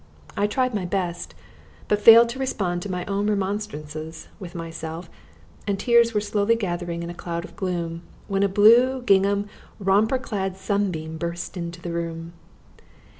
I tried my best, but failed to respond to my own remonstrances with myself, and tears were slowly gathering in a cloud of gloom when a blue gingham, romper clad sunbeam burst into the room.